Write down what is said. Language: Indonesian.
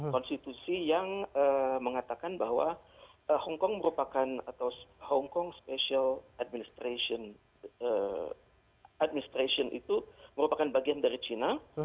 konstitusi yang mengatakan bahwa hongkong merupakan atau hongkong special administration administration itu merupakan bagian dari china